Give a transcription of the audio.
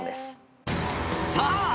［さあ